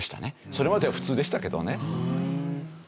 それまでは普通でしたけどね。